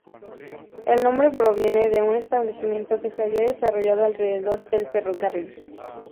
El nombre proviene de un establecimiento que se había desarrollado alrededor del ferrocarril.